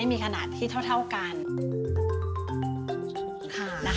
มีขนาดที่เท่ากัน